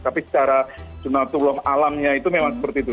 tapi secara junatullah alamnya itu memang seperti itu